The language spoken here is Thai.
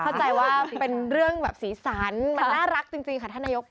เข้าใจว่าเป็นเรื่องแบบสีสันมันน่ารักจริงค่ะท่านนายก